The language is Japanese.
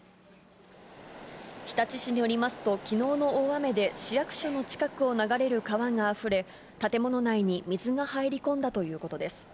日立市によりますと、きのうの大雨で市役所の近くを流れる川があふれ、建物内に水が入り込んだということです。